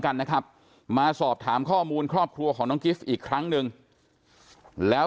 กันนะครับมาสอบถามข้อมูลครอบครัวของน้องกิฟต์อีกครั้งหนึ่งแล้ว